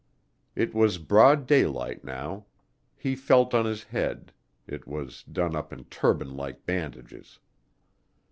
It was broad daylight now. He felt of his head it was done up in turban like bandages.